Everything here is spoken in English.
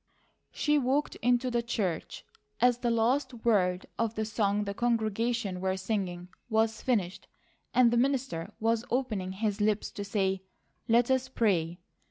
She walked into the church as the last word of the song the congregation were singing was finished, and the minister was opening his lips to say: "Let us pray."